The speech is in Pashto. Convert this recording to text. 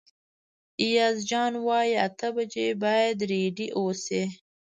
ایاز جان وايي اته بجې باید رېډي اوسئ.